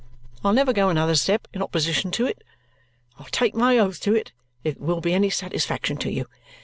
I'll never go another step in opposition to it. I'll take my oath to it if it will be any satisfaction to you.